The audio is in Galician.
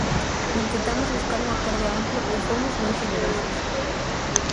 Intentamos buscar un acordo amplo e fomos moi xenerosos.